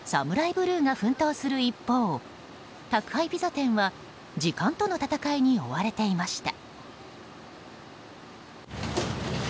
ブルーが奮闘する一方宅配ピザ店は時間との闘いに追われていました。